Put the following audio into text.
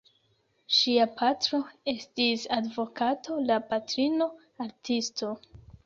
Ŝia patro estis advokato, la patrino artisto.